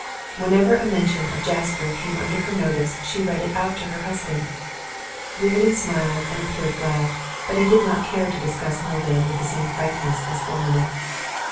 Whenever a mention of Jasper came under her notice she read it out to her husband. Reardon smiled and appeared glad, but he did not care to discuss Milvain with the same frankness as formerly.